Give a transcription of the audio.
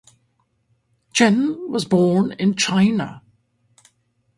Chen was born in China.